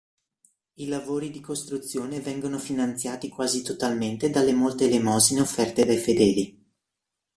I lavori di costruzione vengono finanziati quasi totalmente dalle molte elemosine offerte dai fedeli.